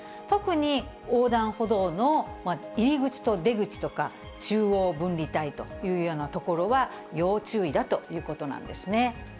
特に横断歩道の入り口と出口とか、中央分離帯というような所は、要注意だということなんですね。